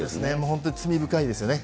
本当に罪深いですよね。